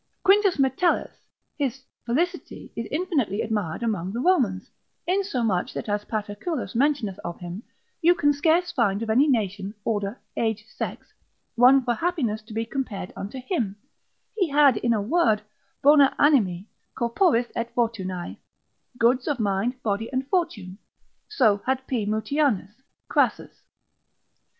Quintus Metellus his felicity is infinitely admired amongst the Romans, insomuch that as Paterculus mentioneth of him, you can scarce find of any nation, order, age, sex, one for happiness to be compared unto him: he had, in a word, Bona animi, corporis et fortunae, goods of mind, body, and fortune, so had P. Mutianus, Crassus.